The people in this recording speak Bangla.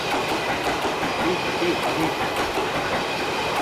দ্বীপটি দীর্ঘ।